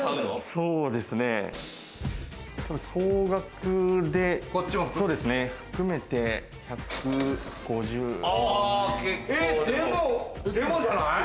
そうですね、多分総額で、含めて１５０ぐらい。